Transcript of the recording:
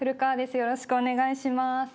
よろしくお願いします。